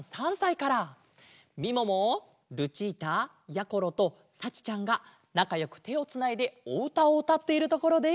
みももルチータやころとさちちゃんがなかよくてをつないでおうたをうたっているところです。